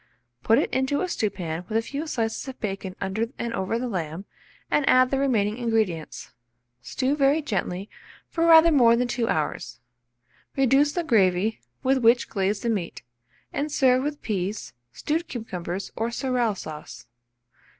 Put it into a stewpan with a few slices of bacon under and over the lamb, and add the remaining ingredients. Stew very gently for rather more than 2 hours. Reduce the gravy, with which glaze the meat, and serve with peas, stewed cucumbers, or sorrel sauce.